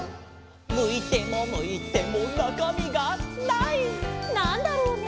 「むいてもむいてもなかみがない」なんだろうね？